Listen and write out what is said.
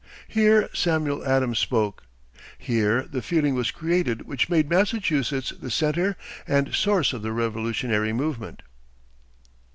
Here Samuel Adams spoke. Here the feeling was created which made Massachusetts the centre and source of the revolutionary movement.